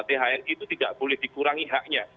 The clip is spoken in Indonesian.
thri itu tidak boleh dikurangi haknya